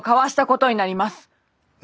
え？